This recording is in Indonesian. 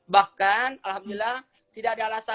bahkan alhamdulillah tidak ada alasan